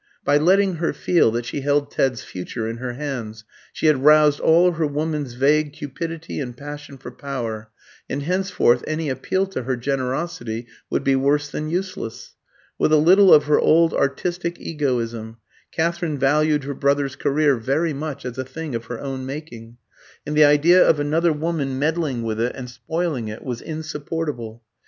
By letting her feel that she held Ted's future in her hands, she had roused all her woman's vague cupidity and passion for power, and henceforth any appeal to her generosity would be worse than useless. With a little of her old artistic egoism, Katherine valued her brother's career very much as a thing of her own making, and the idea of another woman meddling with it and spoiling it was insupportable.